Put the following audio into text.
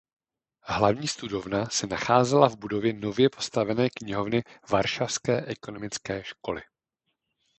Hlavní studovna se nacházela v budově nově postavené knihovny Varšavské ekonomické školy.